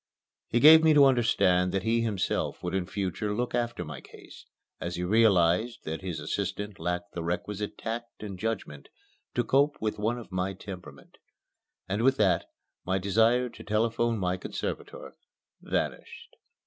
He gave me to understand that he himself would in future look after my case, as he realized that his assistant lacked the requisite tact and judgment to cope with one of my temperament and with that, my desire to telephone my conservator vanished.